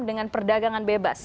dengan perdagangan bebas